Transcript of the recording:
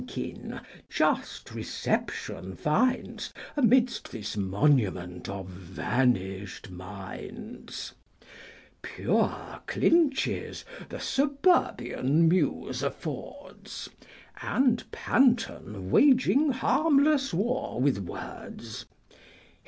But gentle Shnkin 1 just reception finds 81 Amidst tliis monument of vanish'd minds : Pui'e clinches the suburban muse affords, And Panton 2 waging harmless war with words.